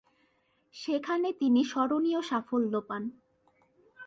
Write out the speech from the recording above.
সেখানে তিনি স্মরণীয় সাফল্য পান।